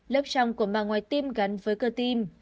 lớp trong của màng ngoài tim gắn với cơ tim